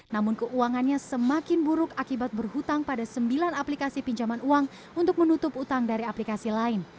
namun keuangannya semakin buruk akibat berhutang pada sembilan aplikasi pinjaman uang untuk menutup utang dari aplikasi lain